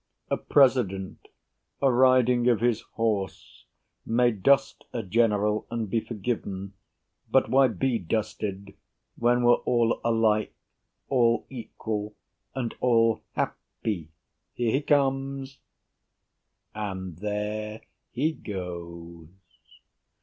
A President, a riding of his horse, May dust a General and be forgiven; But why be dusted when we're all alike, All equal, and all happy. Here he comes And there he goes.